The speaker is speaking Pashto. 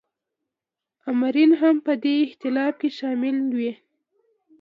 آمرین هم په دې اختلاف کې شامل وي.